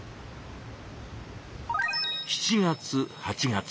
７月８月。